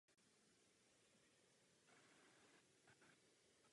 Plavidla mají ocelový trup a nástavby ze slitin hliníku.